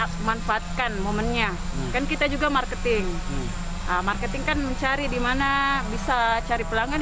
memanfaatkan momennya kan kita juga marketing marketing kan mencari dimana bisa cari pelanggan